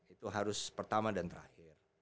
itu harus pertama dan terakhir